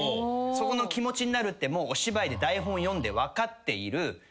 そこの気持ちになるってもうお芝居で台本読んで分かっている。